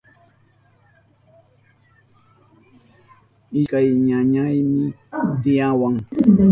Ishkay ñañayni tiyawan.